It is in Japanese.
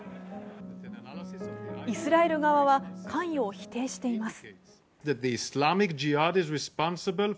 イスラエル側は関与を否定しています。